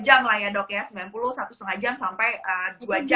dua jam lah ya dok ya sembilan puluh satu lima jam sampai dua jam